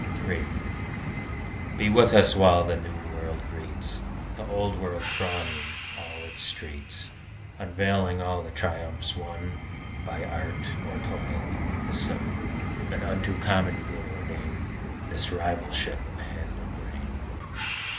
III Be with us while the New World greets The Old World thronging all its streets, Unveiling all the triumphs won By art or toil beneath the sun; And unto common good ordain This rivalship of hand and brain.